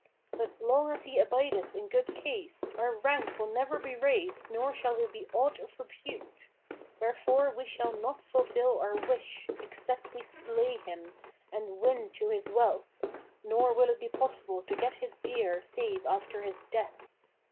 But, long as he abideth in good case, our rank will never be raised nor shall we be aught of repute; wherefore we shall not fulfil our wish, except we slay him and win to his wealth, nor will it be possible to get his gear save after his death.